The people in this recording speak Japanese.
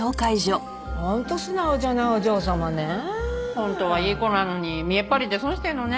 本当はいい子なのに見えっ張りで損してるのね。